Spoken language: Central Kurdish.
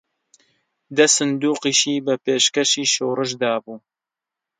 دە سندووقیشی بە پێشکەشی شۆڕش دابوو